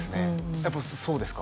やっぱそうですか？